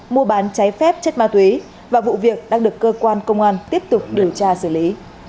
mua bán cháy phép chất ma túy và vụ việc đang được cơ quan công an tiếp tục điều tra xử lý